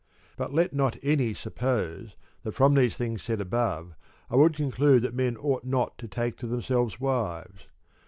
But let not any suppose that from the things said above I would conclude that men ought not to take to themselves wives.